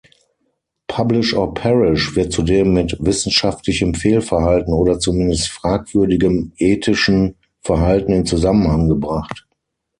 Publish-or-Perish wird zudem mit wissenschaftlichem Fehlverhalten oder zumindest fragwürdigem ethischen Verhalten in Zusammenhang gebracht.